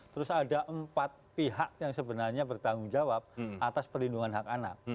terus ada empat pihak yang sebenarnya bertanggung jawab atas perlindungan hak anak